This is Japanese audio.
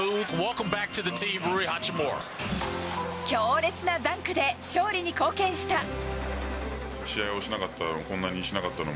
強烈なダンクで勝利に貢献した。